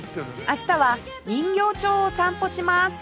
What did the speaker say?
明日は人形町を散歩します